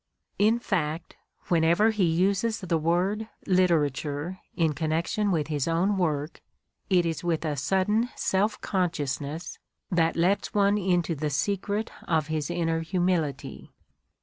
In fact, whenever he uses the word "literature" in connection with his own work it is with a sudden self consciousness that lets one into the secret of his inner humility.